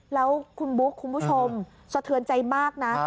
แล้วคุณบุ๊คคุณผู้ชมสะเทือนใจมากนะ